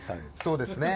そうですね。